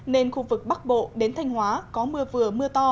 nên khu vực bắc bộ đến thanh hóa có mưa vừa mưa to